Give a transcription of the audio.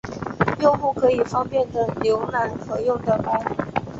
用户可以方便的浏览可用的包。